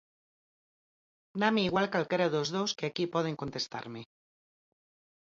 Dáme igual calquera dos dous que aquí poden contestarme.